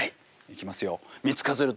いきます！